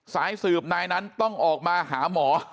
สายสืบนายนั้นต้องออกมาหาหมอ